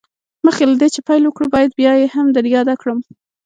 مخکې له دې چې پيل وکړو بايد بيا يې هم در ياده کړم.